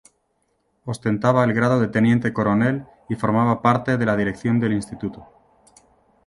Ostentaba el grado de teniente coronel y formaba parte de la dirección del Instituto.